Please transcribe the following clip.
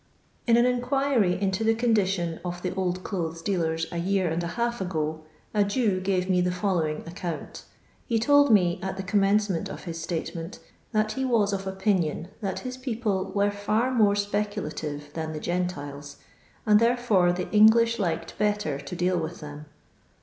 In an inquiry into the condition of the old clothes dealers a year and a half ago, a Jew gave me the following account He told me, at the commencement of his statement, that he was of opinioil that his people were fiir more speculative than the Gentiles, and therefore the English liked bettor to deal with them.